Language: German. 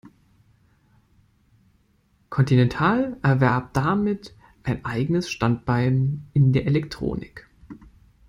Continental erwarb damit ein eigenes Standbein in der Elektronik.